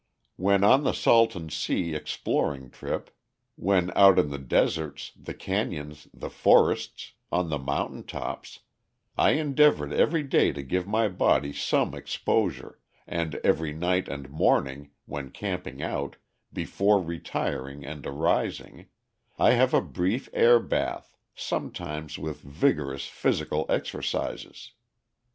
When on the Salton Sea exploring trip; when out in the deserts, the canyons, the forests, on the mountain tops, I endeavored every day to give my body some exposure, and every night and morning, when camping out, before retiring and arising, I have a brief air bath, sometimes with vigorous physical exercises.